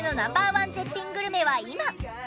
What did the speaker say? １絶品グルメは今？